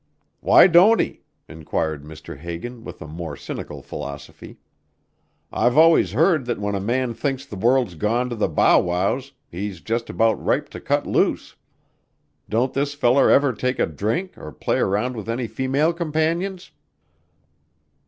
"Why don't he?" inquired Mr. Hagan with a more cynical philosophy. "I've always heard that when a man thinks the world's gone to the bow wows he's just about ripe to cut loose. Don't this feller ever take a drink or play around with any female companions?"